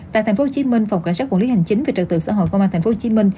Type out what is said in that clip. tại tp hcm phòng cảnh sát quản lý hành chính về trật tự xã hội công an tp hcm